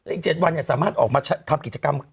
อีก๗วันสามารถออกมาทำกิจกรรม